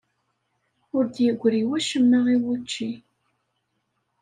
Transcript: Ur d-yeggri wacemma i wučči.